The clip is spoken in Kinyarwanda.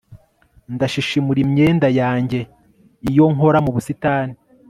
Ndashishimura imyenda yanjye iyo nkora mu busitani